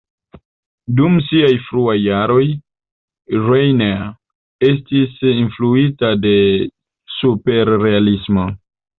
Dum siaj fruaj jaroj, Rainer estis influita de Superrealismo.